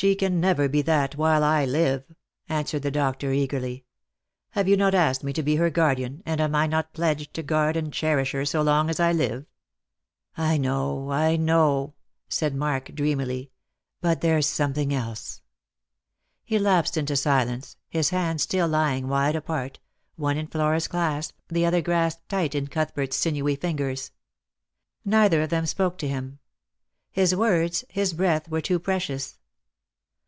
" She can never be that while I live," answered the doctor eagerly. " Have you not asked me to be her guardian, and am I not pledged to guard and cherish her so long as I live P "" I know, I know," said Mark dreamily ;" but there's some thing else." Lost for Love. 233 He lapsed into silence, his hands still lying wide apart, one in Flora's clasp, the other grasped tight in Cuthbert's sinewy lingers. Neither of them spoke to him : his words, his breath. were too precious.